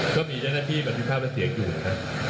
ก็มีแรกหน้าที่เผาเป็นเสียงอยู่ครับ